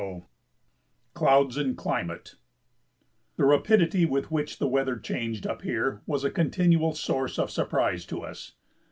] [Sidenote: Clouds and Climate] The rapidity with which the weather changed up here was a continual source of surprise to us.